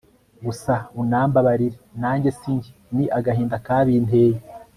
gusa unambabarire nanjye sinjye ni agahinda kabinteye